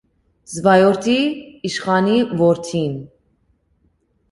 Սկայորդի իշխանի որդին։